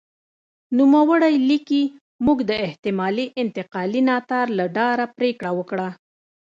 نوموړی لیکي موږ د احتمالي انتقالي ناتار له ډاره پرېکړه وکړه.